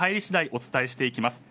お伝えしていきます。